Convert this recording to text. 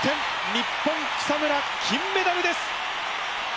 日本草村金メダルです！